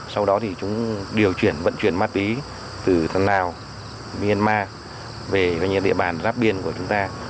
sau đó thì chúng điều chuyển vận chuyển ma túy từ tháng lào myanmar về địa bàn giáp biên của chúng ta